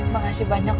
makasih banyak mas